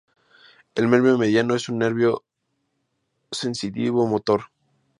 El nervio mediano es un nervio sensitivo motor.